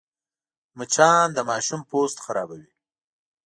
مچان د ماشوم پوست خرابوي